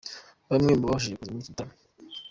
Bamwe mu babashije kuza muri iki gitaramo.